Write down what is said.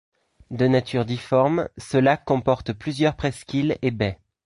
De nature difforme, ce lac comporte plusieurs presqu’îles et baies.